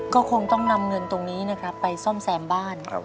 ก็คงต้องนำเงินตรงนี้นะครับไปซ่อมแซมบ้าน